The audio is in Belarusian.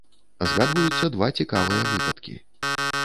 Згадваюцца два цікавыя выпадкі.